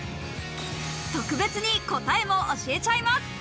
特別に答えも教えちゃいます。